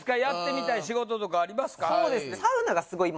やってみたい仕事とかありますか？